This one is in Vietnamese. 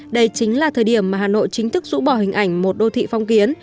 đây chính là thời điểm mà hà nội chính thức rũ bỏ hình ảnh một đô thị phong kiến